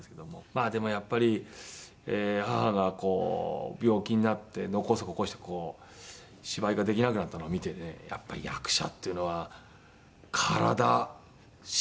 まあでもやっぱり母がこう病気になって脳梗塞起こしてこう芝居ができなくなったのを見てねやっぱり役者っていうのは体資本全てだなとは思いましたね。